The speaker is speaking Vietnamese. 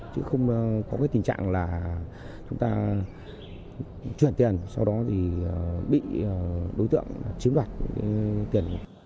chứ không có cái tình trạng là chúng ta chuyển tiền sau đó thì bị đối tượng chiếm đoạt tiền